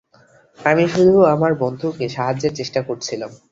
আমি শুধু আমার বন্ধুকে সাহায্যের চেষ্টা করছিলাম।